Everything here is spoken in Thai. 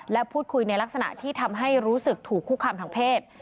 และพูดคุยในลักษณะที่ทำให้รู้สึกถูกคุกคามทางเพศ